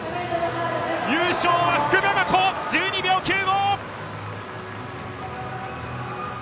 優勝は福部真子、１２秒９５！